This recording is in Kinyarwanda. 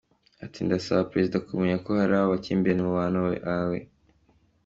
Ati: “Ndasaba Perezida kumenya ko hari amakimbirane mu bantu bawe.